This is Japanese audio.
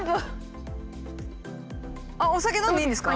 あっお酒飲んでいいんですか？